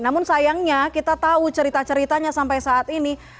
namun sayangnya kita tahu cerita ceritanya sampai saat ini